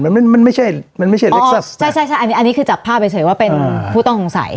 มันมันไม่ใช่มันไม่ใช่เล็กใช่ใช่ใช่อันนี้อันนี้คือจับภาพเฉยว่าเป็นผู้ต้องสงสัย